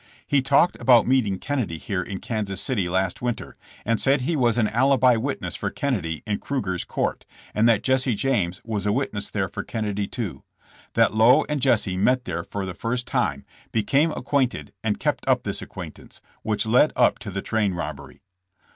He told about meeting Kennedy here in Kansas City last winter, and said he was an alibi witness for Kennedy in Krueger's court, and that Jesse James was a wit ness there for Kennedy, too; that Lowe and Jesse met there for the first time, became acquainted and kept up this acquaintance, which led up to the train robbery.